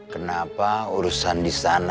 kenapa urusan disana